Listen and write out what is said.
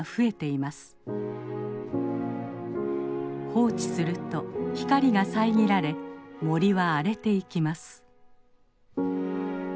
放置すると光が遮られ森は荒れていきます。